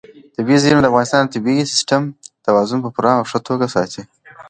طبیعي زیرمې د افغانستان د طبعي سیسټم توازن په پوره او ښه توګه ساتي.